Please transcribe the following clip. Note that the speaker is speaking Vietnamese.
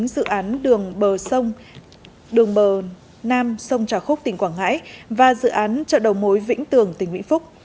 dự án đường bờ nam sông trà khúc tỉnh quảng ngãi và dự án chợ đầu mối vĩnh tường tỉnh vĩnh phúc